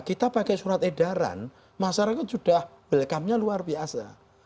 kita pakai surat edaran masyarakat sudah belkamnya luar biasa